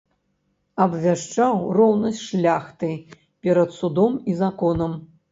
Абвяшчаў роўнасць шляхты перад судом і законам.